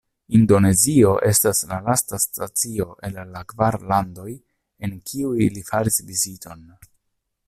Indonezio estas la lasta stacio el la kvar landoj, en kiuj li faris viziton.